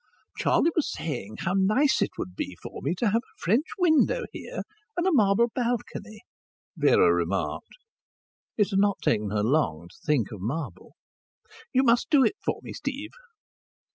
"Charlie was saying how nice it would be for me to have a French window here, and a marble balcony," Vera remarked. It had not taken her long to think of marble. "You must do it for me, Steve."